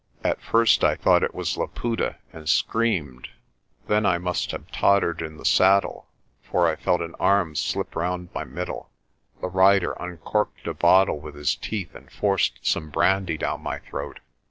At first I thought it was Laputa and screamed. Then I 216 PRESTER JOHN must have tottered in the saddle, for I felt an arm slip round my middle. The rider uncorked a bottle with his teeth and forced some brandy down my throat.